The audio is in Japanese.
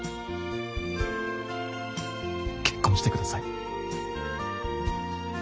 結婚してください。